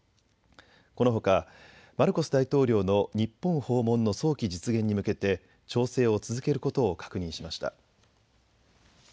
このほかマルコス大統領の日本訪問の早期実現に向けて調整を続けることを確認しました。